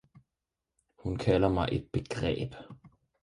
Hun kalder mig et begreb!